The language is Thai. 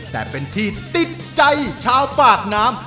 แต่เป็นที่ติดใจชาวปากน้ำ